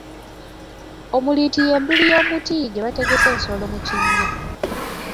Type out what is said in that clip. Omuliiti ye nduli y'omuti gye bategesa ensolo mu kinnya